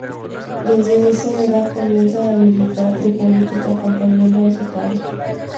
Desde esa edad comienza a militar en política acompañando a su padre.